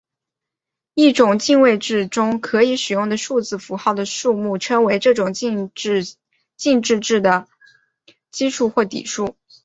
一种进位制中可以使用的数字符号的数目称为这种进位制的基数或底数。